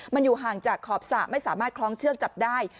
มันอยู่ห่างจากขอบสระไม่สามารถคล้องเชือกจับได้